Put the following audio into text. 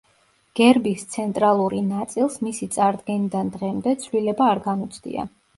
გერბის ცენტრალური ნაწილს მისი წარდგენიდან დღემდე, ცვლილება არ განუცდია.